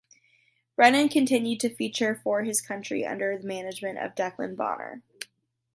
Brennan continued to feature for his county under the management of Declan Bonner.